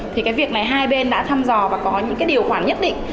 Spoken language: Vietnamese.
thì cái việc này hai bên đã thăm dò và có những cái điều khoản nhất định